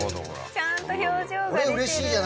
ちゃんと表情が出てる。